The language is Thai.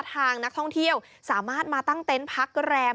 ทางนักท่องเที่ยวสามารถมาตั้งเต็นต์พักแรม